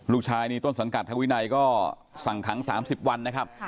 ลูกชายนี่ต้นสังกัดทางวินัยก็สั่งขัง๓๐วันนะครับ